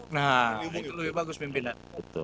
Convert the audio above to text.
nah ini lebih bagus pimpinan